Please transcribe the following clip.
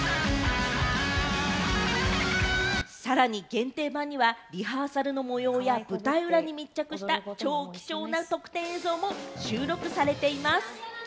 さらに限定盤には、リハーサルの模様や舞台裏に密着した超貴重な特典映像も収録されています。